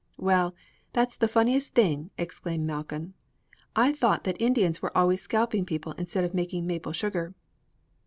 "Well, that's the funniest thing!" exclaimed Malcolm. "I thought that Indians were always scalping people instead of making maple sugar."